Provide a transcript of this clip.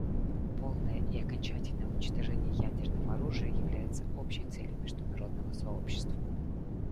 Полное и окончательное уничтожение ядерного оружия является общей целью международного сообщества.